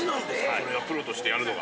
それはプロとしてやるのが。